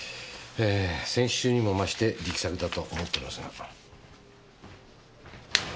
先週にも増して力作だと思っておりますが。